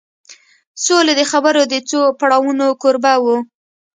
سولې د خبرو د څو پړاوونو کوربه و